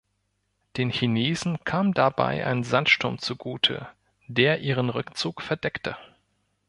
Den Chinesen kam dabei ein Sandsturm zugute, der ihren Rückzug verdeckte.